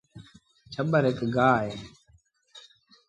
ڇٻر هڪ گآه اهي